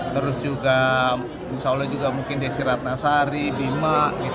terus juga insya allah desi ratnasari bima